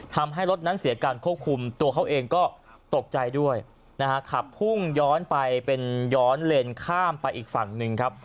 ทำให้รถนั้นเสียการควบคุมตัวเขาเองก็ตกใจด้วยนะฮะขับพุ่งย้อนไปเป็นย้อนเลนข้ามไปอีกฝั่งหนึ่งครับ